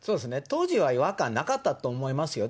当時は違和感なかったと思いますよ。